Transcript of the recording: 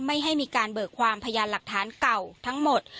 ไม่ให้มีการเบิกความพยานหลักฐานเก่าทั้งหมด